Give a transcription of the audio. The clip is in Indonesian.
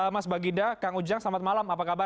mas baginda kang ujang selamat malam apa kabar